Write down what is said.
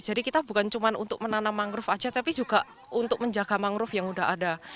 jadi kita bukan cuma untuk menanam mangrove aja tapi juga untuk menjaga mangrove yang udah ada